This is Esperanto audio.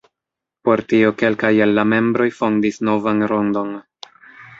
Por tio kelkaj el la membroj fondis novan rondon.